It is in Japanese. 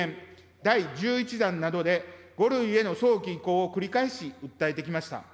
第１１弾などで、５類への早期移行を繰り返し訴えてきました。